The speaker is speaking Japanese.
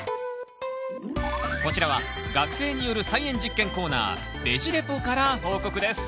こちらは学生による菜園実験コーナー「ベジ・レポ」から報告です